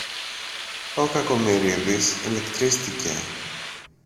Ο Κακομοιρίδης ηλεκτρίστηκε.